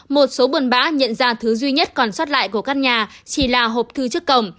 một số buồn bá nhận ra thứ duy nhất còn xót lại của các nhà chỉ là hộp thư trước cổng